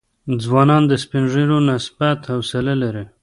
ځوانان د سپین ږیرو نسبت حوصله لري.